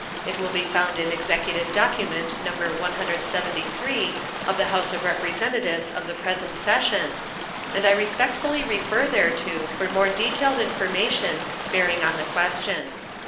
It will be found in Executive Document No. 173 of the House of Representatives of the present session, and I respectfully refer thereto for more detailed information bearing on the question.